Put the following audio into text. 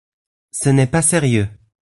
Ce n’est pas sérieux.